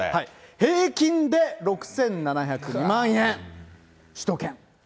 平均で６７０２万円、首都圏。